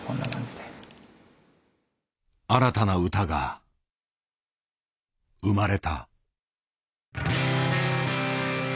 新たな歌が生まれた。